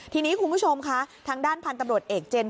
ทีนี้คุณผู้ชมค่ะทางด้านพันธุ์ตำรวจเอกเจน